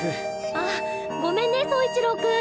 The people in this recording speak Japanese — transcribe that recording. あごめんね走一郎君。